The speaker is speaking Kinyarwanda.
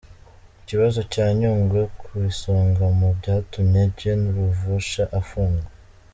Ikibazo cya Nyungwe ku isonga mu byatumye Gen Ruvusha afungwa